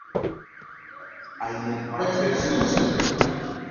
Ainupãse Suzype.